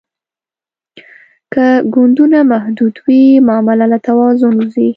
که ګوندونه محدود وي معامله له توازن وځي